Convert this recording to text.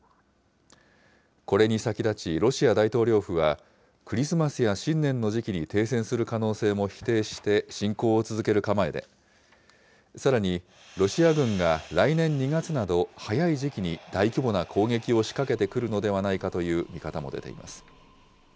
これに先立ち、ロシア大統領府は、クリスマスや新年の時期に停戦する可能性も否定して、侵攻を続ける構えで、さらに、ロシア軍が来年２月など早い時期に、大規模な攻撃を仕掛けてくるのではないかという見方も出ています。